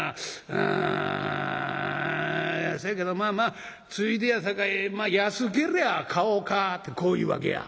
うんそやけどまあまあついでやさかい安けりゃ買おうか』ってこう言うわけや」。